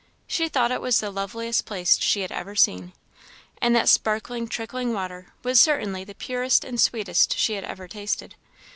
She thought it was the loveliest place she had ever seen. And that sparkling, trickling water was certainly the purest and sweetest she had ever tasted.